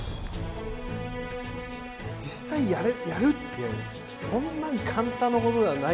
実際やるってそんなに簡単なものではないと思うんですよ